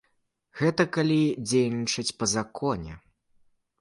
Гэта калі дзейнічаць па законе.